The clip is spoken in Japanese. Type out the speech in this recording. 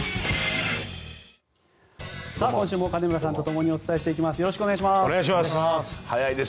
今週も金村さんとともにお伝えしていきます。